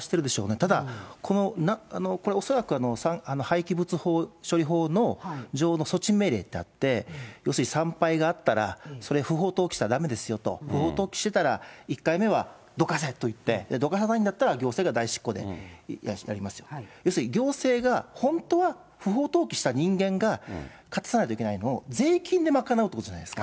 ただ、これ、恐らく、廃棄物処理法の条例の措置命令ってあって、要するに、産廃があったら、それ、不法投棄したらだめですよと、不法投棄していたら、１回目はどかせと言って、どかさないんだったら、行政が代執行やりますよ、要するに行政が本当は不法投棄した人間が片さないといけないのを、税金で賄うということじゃないですか。